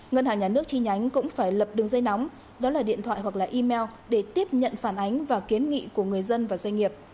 ngân hàng nhà nước chi nhánh cũng phải lập đường dây nóng đó là điện thoại hoặc là email để tiếp nhận phản ánh và kiến nghị của người dân và doanh nghiệp